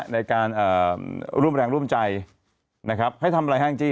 ในการอ่าร่วมแรงร่วมใจนะครับให้ทำอะไรครับ